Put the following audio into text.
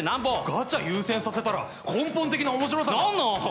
ガチャ優先させたら根本的な面白さノンノン！